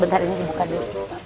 bentar ini buka dulu